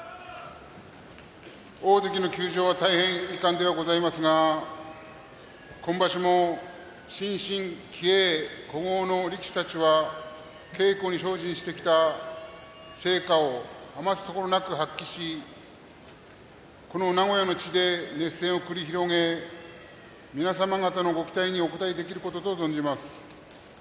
大関の休場は大変遺憾ではございますが今場所も新進気鋭、古豪の力士たちは稽古に精進してきた成果を余すところなく発揮しこの名古屋の地で熱戦を繰り広げ皆様方のご期待にお応えできることと存じます。